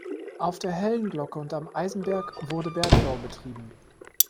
Auf der Hellen Glocke und am Eisenberg wurde Bergbau betrieben.